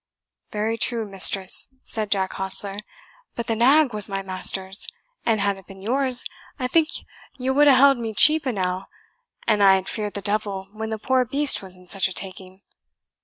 "Very true, mistress," said Jack Hostler, "but the nag was my master's; and had it been yours, I think ye would ha' held me cheap enow an I had feared the devil when the poor beast was in such a taking.